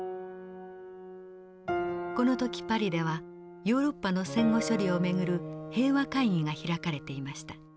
この時パリではヨーロッパの戦後処理を巡る平和会議が開かれていました。